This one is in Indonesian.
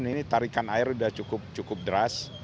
ini tarikan air sudah cukup deras